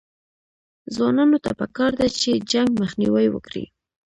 ځوانانو ته پکار ده چې، جنګ مخنیوی وکړي